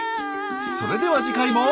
それでは次回も。